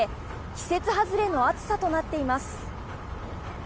季節外れの暑さとなっています。